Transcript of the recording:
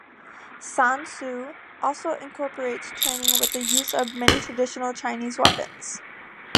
San Soo also incorporates training with the use of many traditional Chinese weapons.